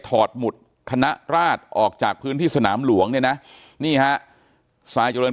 ถอดหมุดคณะราชออกจากพื้นที่สนามหลวงเนี่ยนะนี่ฮะทรายเจริญ